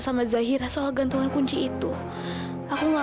kapa dokter gak bisa ma